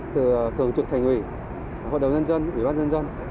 từ thường trực thành ủy hội đồng nhân dân ủy ban nhân dân